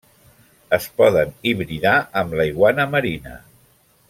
Es poden hibridar amb la iguana marina.